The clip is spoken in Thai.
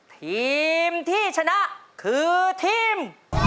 ทีมที่ชนะคือทีม